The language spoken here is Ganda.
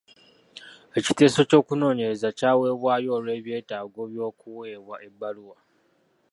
Ekiteeso ky'okunoonyereza ekyaweebwayo olw'ebyetaago by'okuweebwa ebbaluwa.